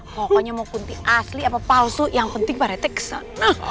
pokoknya mau kunti asli apa palsu yang penting pak rite kesana